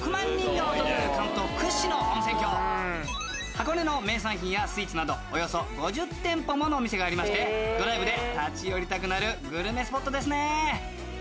箱根の名産品やスイーツなどおよそ５０店舗ものお店がありましてドライブで立ち寄りたくなるグルメスポットですね。